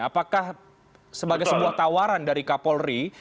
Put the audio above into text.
apakah sebagai sebuah tawaran dari kapolri